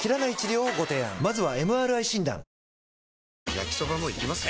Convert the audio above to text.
焼きソバもいきます？